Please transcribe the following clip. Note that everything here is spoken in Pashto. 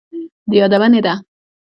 د يادونې ده،